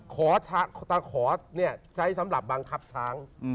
คอร์สตั้งคอร์สใช้สำหรับบังคับช้าง